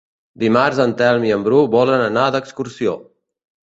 Dimarts en Telm i en Bru volen anar d'excursió.